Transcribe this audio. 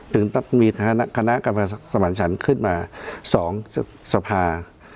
ถึงมีคณะกรรมศาสตร์สมัญชันขึ้นมา๒สภา